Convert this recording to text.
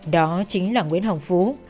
đó chính là nguyễn hồng phú